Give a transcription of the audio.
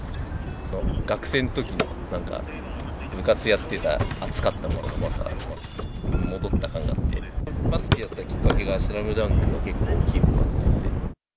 学生のときのなんか部活やってた、熱かったのがまた戻った感があって、バスケやったきっかけがスラムダンクが結構大きいのがあったんで。